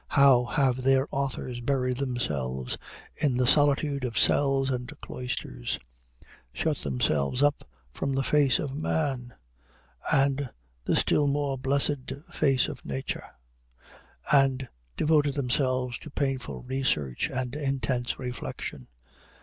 How have their authors buried themselves in the solitude of cells and cloisters; shut themselves up from the face of man, and the still more blessed face of nature; and devoted themselves to painful research and intense reflection!